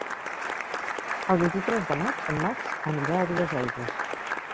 El vint-i-tres de maig en Max anirà a Duesaigües.